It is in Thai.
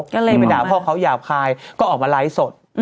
ก็เลยไปด่าพ่อเขาหยาบคายก็ออกมาไลฟ์สด